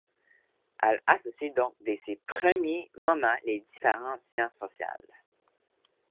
Elle associe donc dès ses premiers moments les différentes sciences sociales.